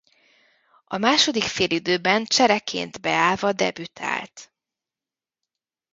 A második félidőben csereként beállva debütált.